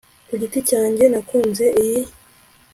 Ku giti cyanjye nakunze iyi